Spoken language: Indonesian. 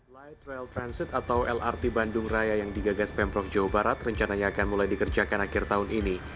light rail transit atau lrt bandung raya yang digagas pemprov jawa barat rencananya akan mulai dikerjakan akhir tahun ini